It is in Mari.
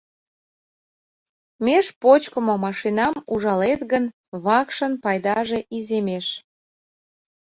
Меж почкымо машинам ужалет гын, вакшын пайдаже иземеш.